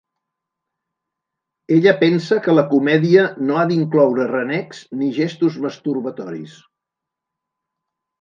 Ella pensa que la comèdia no ha d'incloure renecs ni gestos masturbatoris.